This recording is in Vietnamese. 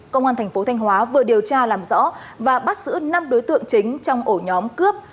công an thành phố thanh hóa vừa điều tra làm rõ và bắt giữ năm đối tượng chính trong ổ nhóm cướp